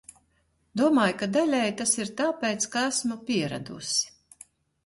Domāju, ka daļēji tas ir tāpēc, ka esmu pieradusi.